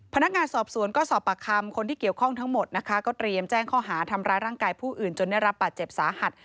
พนักงานสอบสวนก็สอบปากคำคนที่เกี่ยวข้องทั้งหมดนะคะก็เตรียมแจ้งข้อหาทำร้ายร่างกายผู้อื่นจนได้รับบาดเจ็บสาหัส